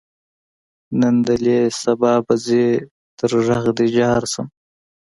نن دلې سبا به ځې تر غږ دې جار شم.